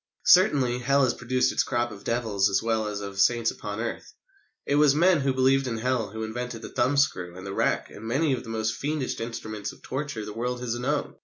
Certainly, Hell has produced its crop of devils as well as of saints upon earth. It was men who believed in Hell who invented the thumb screw and the rack, and many of the most fiendish instruments of torture the world has known.